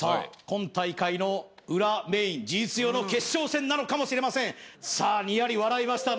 今大会の裏メイン事実上の決勝戦なのかもしれませんさあニヤリ笑いました